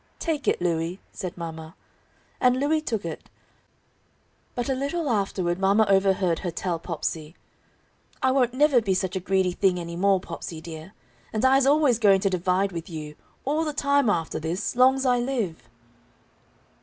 "Take it, Louie," said mama. And Louie took it. But a little afterward mama overheard her tell Popsey: "I won't never be such a greedy thing any more, Popsey, dear. And I's always going to divide with you, all the time after this, long's I live!"